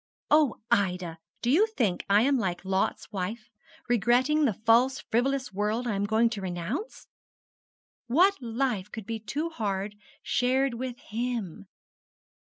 'Oh, Ida, do you think I am like Lot's wife, regretting the false frivolous world I am going to renounce? What life could be too hard shared with _him?